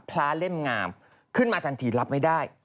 เล้าเล่มงามขึ้นมาทันทีรับไม่ได้